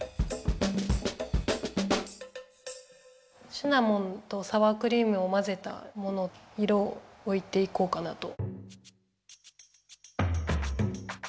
シナモンとサワークリームをまぜたもの色をおいていこうかなと。